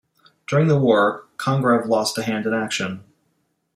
During the war, Congreve lost a hand in action.